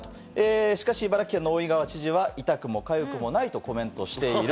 しかし茨城県の大井川知事は痛くもかゆくもないとコメントしている。